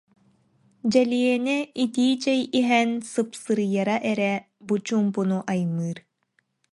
Дьэлиэнэ итии чэй иһэн сыпсырыйара эрэ бу чуумпуну аймыыр